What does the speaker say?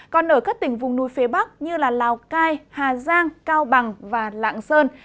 còn ở các tỉnh vùng núi phía bắc như lào cai hà giang cao bằng và lạng sơn